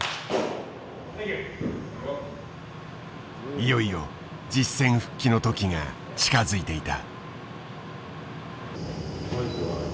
いよいよ実戦復帰の時が近づいていた。